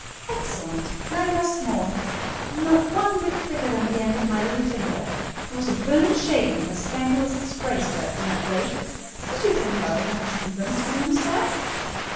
"Excellent! Now you are small—not one whit bigger than the end of my little finger. It was a burning shame and a scandalous disgrace to act in that way. Did you think nothing of Miss Ingram's feelings, sir?"